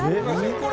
これ」